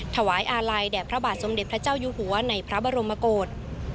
อาลัยแด่พระบาทสมเด็จพระเจ้าอยู่หัวในพระบรมกฏ